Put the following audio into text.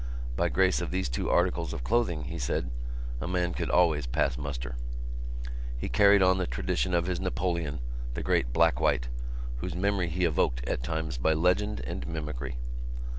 By grace of these two articles of clothing, he said, a man could always pass muster. He carried on the tradition of his Napoleon, the great Blackwhite, whose memory he evoked at times by legend and mimicry.